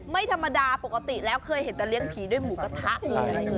ไม่ธรรมดาปกติแล้วเคยเห็นแต่เลี้ยงผีด้วยหมูกระทะเลย